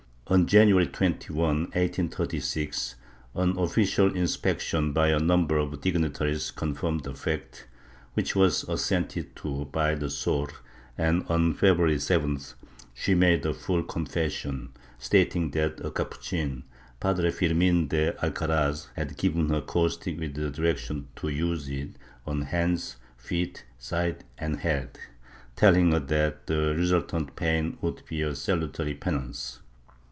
On January 21, 1836, an official inspection by a number of dignitaries confirmed the fact, which was assented to by the Sor and, on February 7th, she made a full confession, stating that a Capuchin, Padre Firmin de Alcaraz, had given her a caustic with directions to use it on hands, feet, side and head, telling her that the resultant pain would be a salutary penance.